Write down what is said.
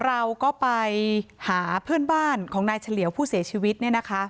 เราก็ไปหาเพื่อนบ้านของนายเฉลี่ยวผู้เสียชีวิตเนี่ยนะคะ